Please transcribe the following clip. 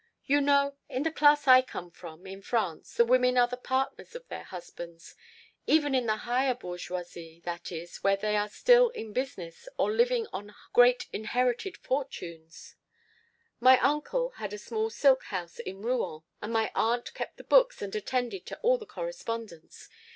"You know in the class I come from in France the women are the partners of their husbands. Even in the higher bourgeoisie, that is, where they still are in business, not living on great inherited fortunes "My uncle had a small silk house in Rouen, and my aunt kept the books and attended to all the correspondence.